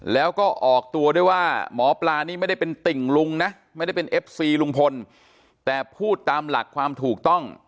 แล้วก็ออกตัวด้วยว่าหมอปลานี่ไม่ได้เป็นติ่งลุงนะไม่ได้เป็นเอฟซีลุงพลแต่พูดตามหลักความถูกต้อง